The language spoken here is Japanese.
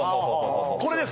これです